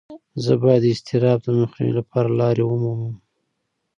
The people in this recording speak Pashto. زه باید د اضطراب مخنیوي لپاره لارې ومومم.